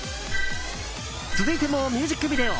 続いてもミュージックビデオ。